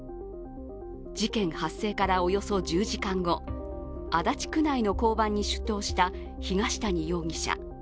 事件発生からおよそ１０時間後足立区内の交番に出頭した東谷容疑者。